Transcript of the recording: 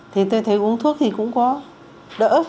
thì tôi thấy uống thuốc thì cũng có đỡ